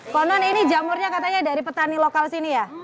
konon ini jamurnya katanya dari petani lokal sini ya